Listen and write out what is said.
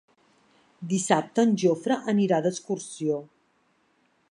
Dissabte en Jofre anirà d'excursió.